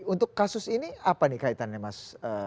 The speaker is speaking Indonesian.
untuk kasus ini apa nih kaitannya mas